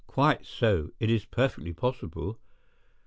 "Quite so, it is perfectly possible.